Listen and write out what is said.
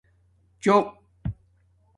چَرق